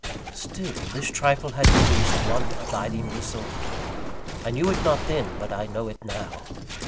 Still, this trifle had produced one abiding result. I knew it not then; but I know it now.